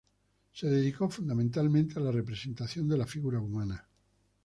Se dedicó fundamentalmente a la representación de la figura humana.